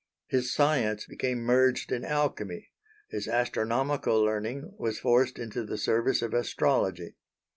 His science became merged in alchemy, his astronomical learning was forced into the service of Astrology.